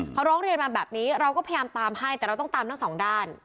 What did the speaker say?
พอร้องเรียนมาแบบนี้เราก็พยายามตามให้แต่เราต้องตามทั้งสองด้าน